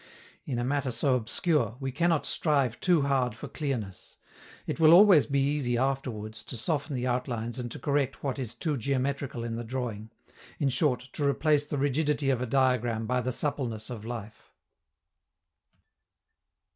In a matter so obscure, we cannot strive too hard for clearness. It will always be easy afterwards to soften the outlines and to correct what is too geometrical in the drawing in short, to replace the rigidity of a diagram by the suppleness of life.